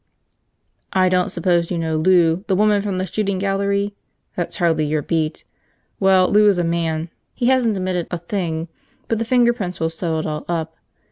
"I don't suppose you know Lou, the woman from the shooting gallery? That's hardly your beat. Well, Lou is a man. He hasn't admitted a d—, a thing, but the fingerprints will sew it all up.